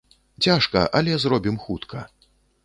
Цяжка, але зробім хутка.